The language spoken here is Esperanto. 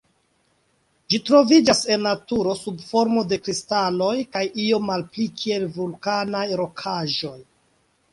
Ĝi troviĝas en naturo sub formo de kristaloj kaj iom malpli kiel vulkanaj rokaĵoj.